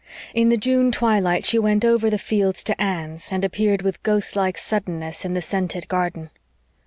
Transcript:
In the June twilight she went over the fields to Anne's, and appeared with ghost like suddenness in the scented garden.